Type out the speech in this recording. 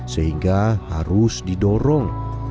sehingga harus didorong